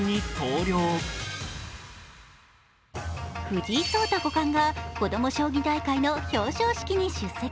藤井聡太五冠が子ども将棋大会の表彰式に出席。